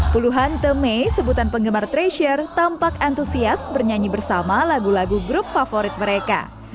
puluhan theme sebutan penggemar treasure tampak antusias bernyanyi bersama lagu lagu grup favorit mereka